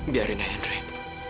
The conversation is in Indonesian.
biarin aja nek